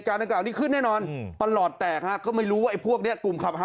กลรดแตกหังก็ไม่รู้ไอพวกเนี้ยกลุ่มครับ